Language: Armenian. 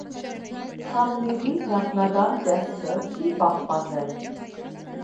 Համլիրի նախնական տեսքը չի պահպանվել։